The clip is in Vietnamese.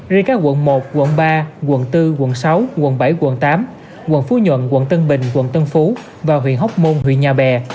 riêng các quận một quận ba quận bốn quận sáu quận bảy quận tám quận phú nhuận quận tân bình quận tân phú và huyện hóc môn huyện nhà bè